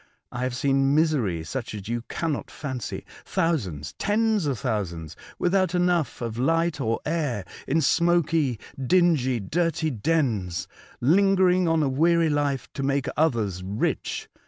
I have seen misery such as you cannot fancy — thousands, tens of thousands, without enough of light or air, in smoky, dingy, dirty dens, lingering on a weary life to make others rich.